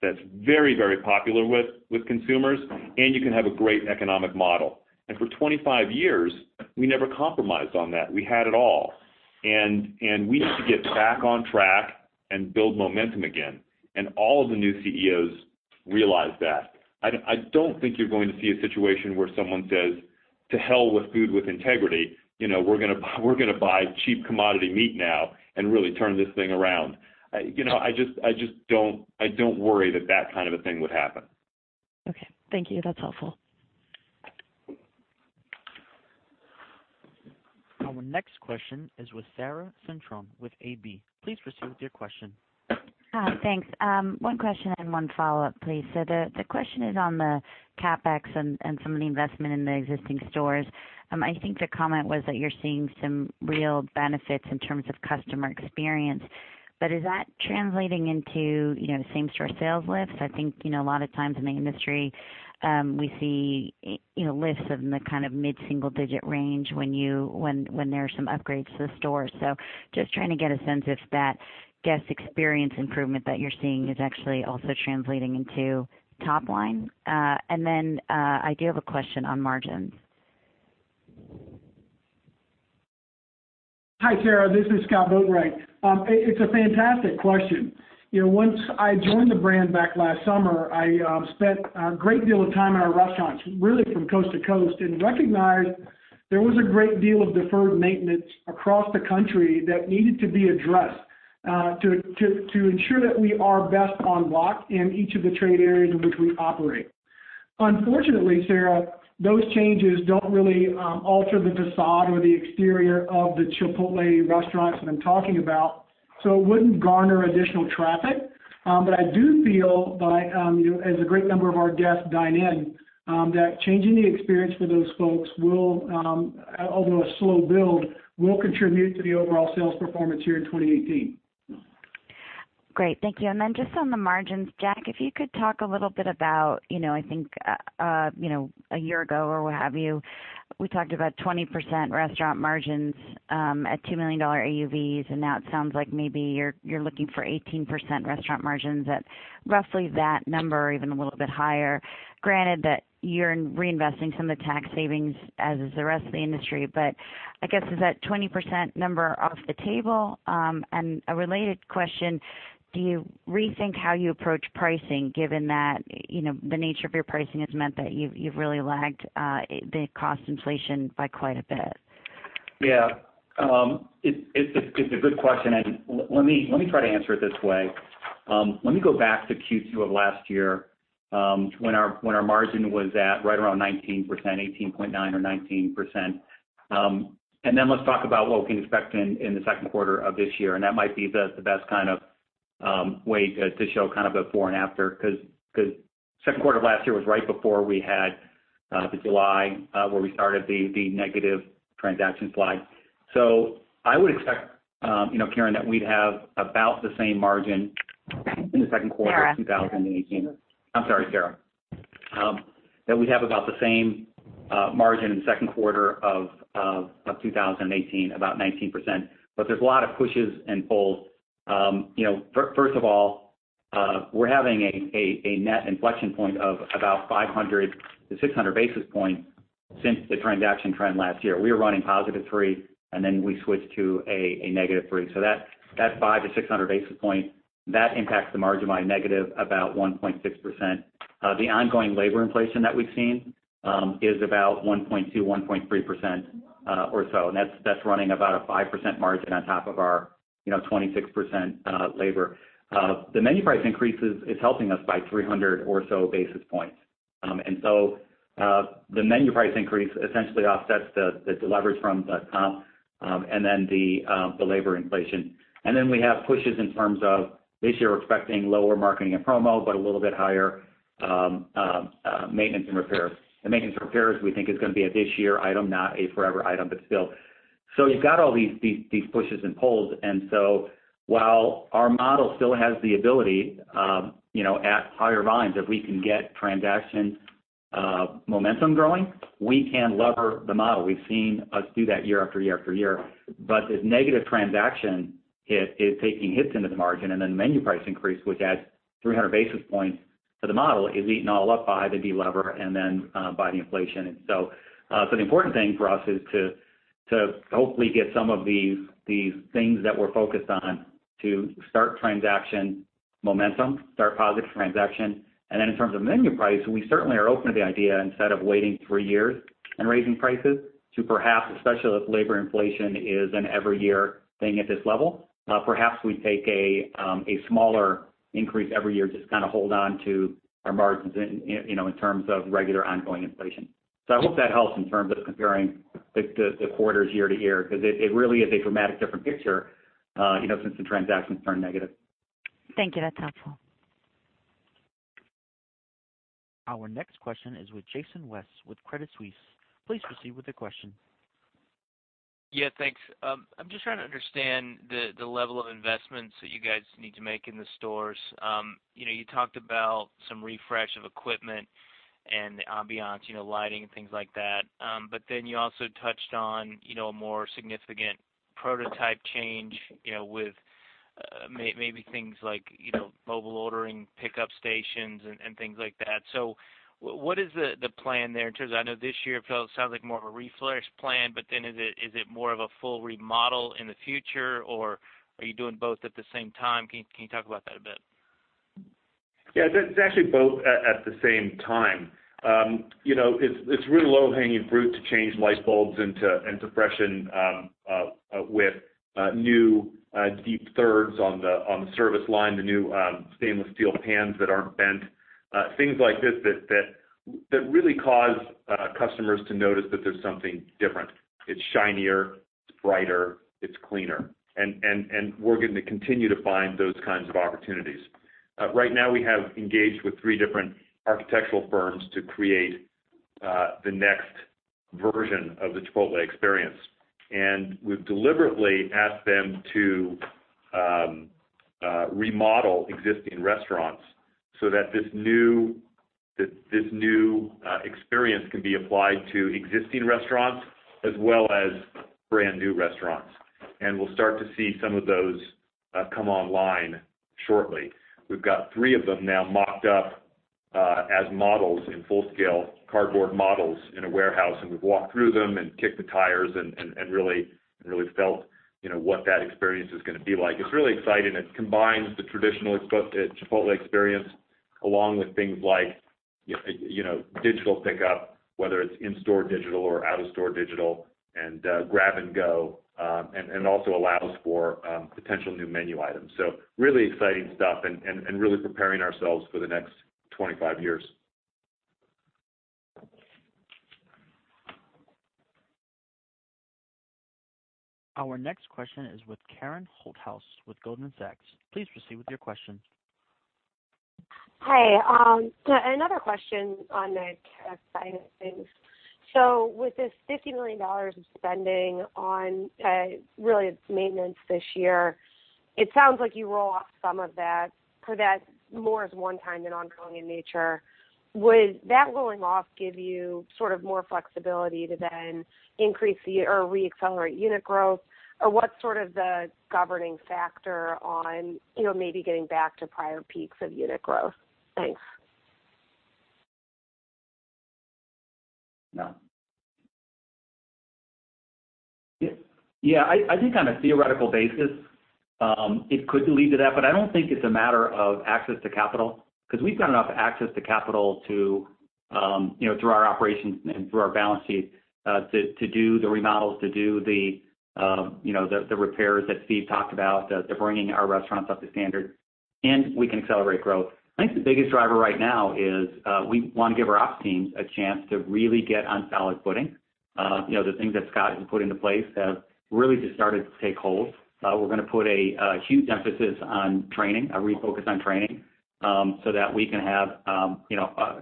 that's very popular with consumers, you can have a great economic model. For 25 years, we never compromised on that. We had it all. We need to get back on track and build momentum again, all of the new CEOs realize that. I don't think you're going to see a situation where someone says, "To hell with food with integrity. We're going to buy cheap commodity meat now and really turn this thing around." I don't worry that that kind of a thing would happen. Okay. Thank you. That's helpful. Our next question is with Sara Senatore with AB. Please proceed with your question. Thanks. One question and one follow-up, please. The question is on the CapEx and some of the investment in the existing stores. I think the comment was that you're seeing some real benefits in terms of customer experience, but is that translating into same-store sales lifts? I think, a lot of times in the industry, we see lifts in the mid-single-digit range when there are some upgrades to the stores. Just trying to get a sense if that guest experience improvement that you're seeing is actually also translating into top line. Then, I do have a question on margins. Hi, Sara. This is Scott Boatwright. It's a fantastic question. Once I joined the brand back last summer, I spent a great deal of time in our restaurants, really from coast to coast, and recognized there was a great deal of deferred maintenance across the country that needed to be addressed to ensure that we are best on lock in each of the trade areas in which we operate. Unfortunately, Sara, those changes don't really alter the facade or the exterior of the Chipotle restaurants that I'm talking about, so it wouldn't garner additional traffic. I do feel, as a great number of our guests dine in, that changing the experience for those folks will, although a slow build, contribute to the overall sales performance here in 2018. Great. Thank you. Then just on the margins, Jack, if you could talk a little bit about, I think, a year ago or what have you, we talked about 20% restaurant margins at $2 million AUVs, and now it sounds like maybe you're looking for 18% restaurant margins at roughly that number or even a little bit higher. Granted that you're reinvesting some of the tax savings, as is the rest of the industry. I guess, is that 20% number off the table? A related question, do you rethink how you approach pricing given that the nature of your pricing has meant that you've really lagged the cost inflation by quite a bit? Yeah. It's a good question, and let me try to answer it this way. Let me go back to Q2 of last year, when our margin was at right around 19%, 18.9% or 19%. Then let's talk about what we can expect in the second quarter of this year, and that might be the best way to show a before and after, because second quarter of last year was right before we had the July where we started the negative transaction slide. I would expect, Karen, that we'd have about the same margin in the second quarter of 2018. Sara. I'm sorry, Sara. That we'd have about the same margin in the second quarter of 2018, about 19%. There's a lot of pushes and pulls. First of all, we're having a net inflection point of about 500 to 600 basis points since the transaction trend last year. We were running positive 3, and then we switched to a negative 3. That 500 to 600 basis points, that impacts the margin by negative about 1.6%. The ongoing labor inflation that we've seen is about 1.2%, 1.3% or so, and that's running about a 5% margin on top of our 26% labor. The menu price increases is helping us by 300 or so basis points. The menu price increase essentially offsets the leverage from the comp, and then the labor inflation. We have pushes in terms of this year, we're expecting lower marketing and promo, but a little bit higher maintenance and repairs. The maintenance and repairs we think is going to be a this year item, not a forever item. You've got all these pushes and pulls, while our model still has the ability at higher volumes, if we can get transaction momentum growing, we can lever the model. We've seen us do that year after year after year. This negative transaction is taking hits into the margin, then menu price increase, which adds 300 basis points to the model, is eaten all up by the delever and then by the inflation. The important thing for us is to hopefully get some of these things that we're focused on to start transaction momentum, start positive transaction. In terms of menu price, we certainly are open to the idea instead of waiting three years and raising prices, to perhaps, especially if labor inflation is an every year thing at this level, perhaps we take a smaller increase every year, just hold on to our margins in terms of regular ongoing inflation. I hope that helps in terms of comparing the quarters year-to-year, because it really is a dramatic different picture. Since the transactions turned negative. Thank you. That's helpful. Our next question is with Jason West with Credit Suisse. Please proceed with the question. Yeah, thanks. I'm just trying to understand the level of investments that you guys need to make in the stores. You talked about some refresh of equipment and the ambiance, lighting, and things like that. You also touched on a more significant prototype change, with maybe things like mobile ordering, pickup stations, and things like that. What is the plan there in terms of, I know this year it sounds like more of a refresh plan, is it more of a full remodel in the future, or are you doing both at the same time? Can you talk about that a bit? Yeah. It's actually both at the same time. It's really low-hanging fruit to change light bulbs and to freshen with new deep thirds on the service line, the new stainless steel pans that aren't bent, things like this that really cause customers to notice that there's something different. It's shinier, it's brighter, it's cleaner. We're going to continue to find those kinds of opportunities. Right now, we have engaged with three different architectural firms to create the next version of the Chipotle experience. We've deliberately asked them to remodel existing restaurants so that this new experience can be applied to existing restaurants as well as brand-new restaurants. We'll start to see some of those come online shortly. We've got three of them now mocked up as models in full scale, cardboard models in a warehouse, and we've walked through them and kicked the tires and really felt what that experience is going to be like. It's really exciting. It combines the traditional Chipotle experience along with things like digital pickup, whether it's in-store digital or out-of-store digital, and grab and go, and also allows for potential new menu items. Really exciting stuff and really preparing ourselves for the next 25 years. Our next question is with Karen Holthouse with Goldman Sachs. Please proceed with your question. Hi. Another question on the CapEx side of things. With this $50 million of spending on really maintenance this year, it sounds like you wrote off some of that, so that's more as one time than ongoing in nature. Would that rolling off give you sort of more flexibility to then increase the or re-accelerate unit growth? What's sort of the governing factor on maybe getting back to prior peaks of unit growth? Thanks. No. Yeah. I think on a theoretical basis, it could lead to that, but I don't think it's a matter of access to capital, because we've got enough access to capital through our operations and through our balance sheet, to do the remodels, to do the repairs that Steve talked about, to bringing our restaurants up to standard, and we can accelerate growth. I think the biggest driver right now is, we want to give our ops teams a chance to really get on solid footing. The things that Scott has put into place have really just started to take hold. We're going to put a huge emphasis on training, a refocus on training, so that we can have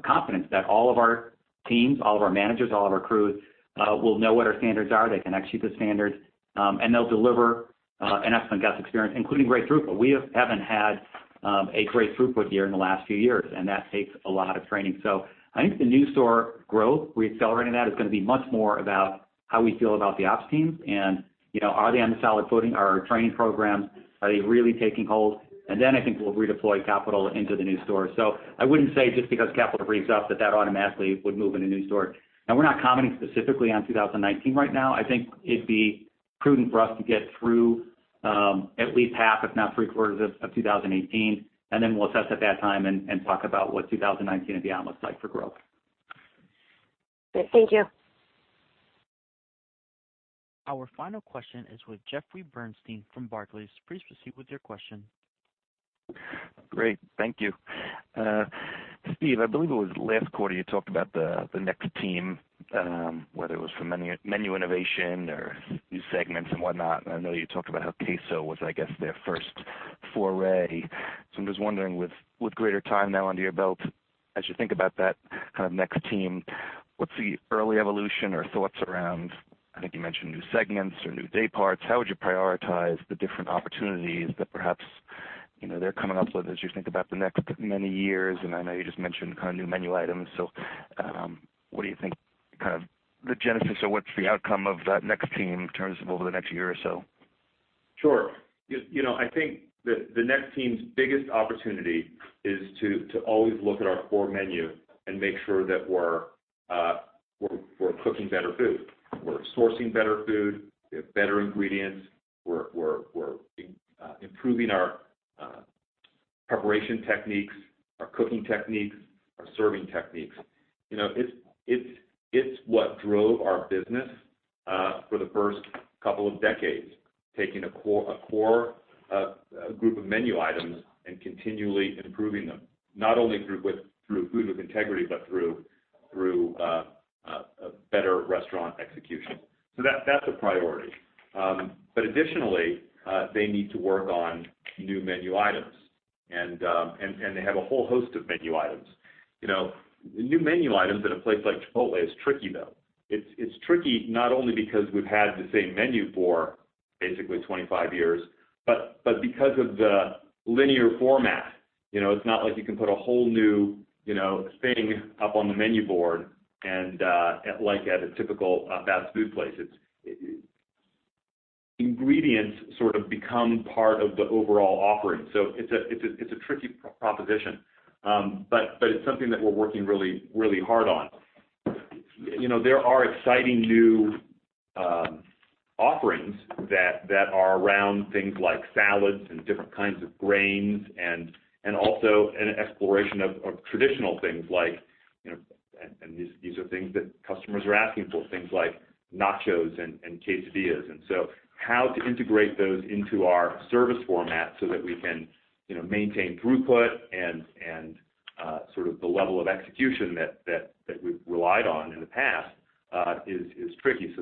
confidence that all of our teams, all of our managers, all of our crews will know what our standards are. They can execute the standards, and they'll deliver an excellent guest experience, including great throughput. We haven't had a great throughput year in the last few years, and that takes a lot of training. I think the new store growth, re-accelerating that, is going to be much more about how we feel about the ops teams and are they on the solid footing, are our training programs, are they really taking hold? I think we'll redeploy capital into the new store. I wouldn't say just because capital frees up that that automatically would move in a new store. We're not commenting specifically on 2019 right now. I think it'd be prudent for us to get through at least half, if not three-quarters of 2018, and then we'll assess at that time and talk about what 2019 and beyond looks like for growth. Great. Thank you. Our final question is with Jeffrey Bernstein from Barclays. Please proceed with your question. Great. Thank you. Steve, I believe it was last quarter you talked about the next team, whether it was for menu innovation or new segments and whatnot, and I know you talked about how queso was, I guess, their first foray. I'm just wondering, with greater time now under your belt, as you think about that kind of next team, what's the early evolution or thoughts around, I think you mentioned new segments or new day parts. How would you prioritize the different opportunities that perhaps they're coming up with as you think about the next many years? I know you just mentioned kind of new menu items. What do you think kind of the genesis or what's the outcome of that next team in terms of over the next year or so? Sure. I think the next team's biggest opportunity is to always look at our core menu and make sure that we're cooking better food. We're sourcing better food. We have better ingredients. We're improving our preparation techniques, our cooking techniques, our serving techniques. It's what drove our business for the first couple of decades, taking a core A group of menu items and continually improving them, not only through food with integrity, but through better restaurant execution. That's a priority. Additionally, they need to work on new menu items, and they have a whole host of menu items. New menu items at a place like Chipotle is tricky, though. It's tricky not only because we've had the same menu for basically 25 years, but because of the linear format. It's not like you can put a whole new thing up on the menu board like at a typical fast food place. Ingredients sort of become part of the overall offering. It's a tricky proposition, but it's something that we're working really hard on. There are exciting new offerings that are around things like salads and different kinds of grains and also an exploration of traditional things like, and these are things that customers are asking for, things like nachos and quesadillas. How to integrate those into our service format so that we can maintain throughput and sort of the level of execution that we've relied on in the past is tricky.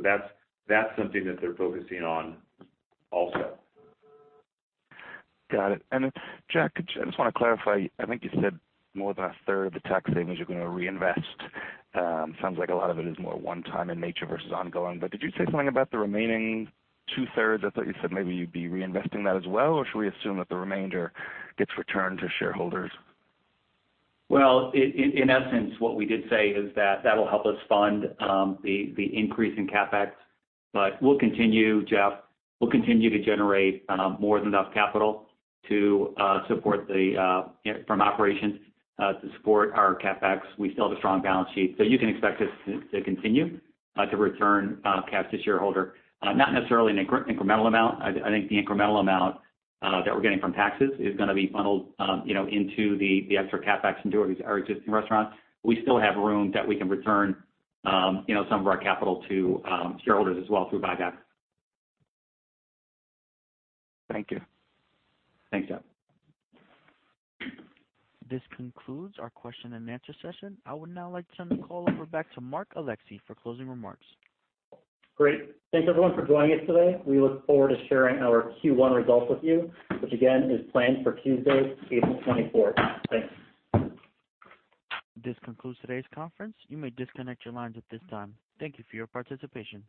That's something that they're focusing on also. Got it. Jack, I just want to clarify, I think you said more than a third of the tax savings you're going to reinvest. Sounds like a lot of it is more one-time in nature versus ongoing, but did you say something about the remaining two-thirds? I thought you said maybe you'd be reinvesting that as well, or should we assume that the remainder gets returned to shareholders? In essence, what we did say is that that'll help us fund the increase in CapEx. We'll continue, Jeff, we'll continue to generate more than enough capital from operations to support our CapEx. We still have a strong balance sheet, you can expect us to continue to return cash to shareholder. Not necessarily an incremental amount. I think the incremental amount that we're getting from taxes is going to be funneled into the extra CapEx into our existing restaurants. We still have room that we can return some of our capital to shareholders as well through buyback. Thank you. Thanks, Jeff. This concludes our question and answer session. I would now like to turn the call over back to Mark Alexee for closing remarks. Great. Thanks, everyone for joining us today. We look forward to sharing our Q1 results with you, which again is planned for Tuesday, April 24th. Thanks. This concludes today's conference. You may disconnect your lines at this time. Thank you for your participation.